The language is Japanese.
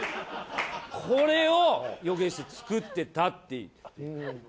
これを予言して作ってたっていうね。